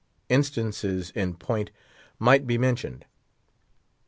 Instances in point might be mentioned.